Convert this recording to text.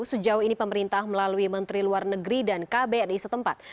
sejauh ini pemerintah melalui menteri luar negeri dan kbri setempat